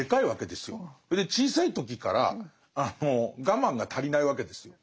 それで小さい時から我慢が足りないわけですよ。